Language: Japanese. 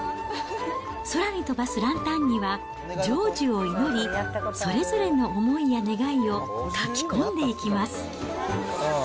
空に飛ばすランタンには、成就を祈り、それぞれの思いや願いを書き込んでいきます。